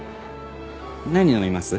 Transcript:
何飲みます？